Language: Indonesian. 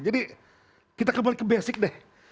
jadi kita kembali ke basic deh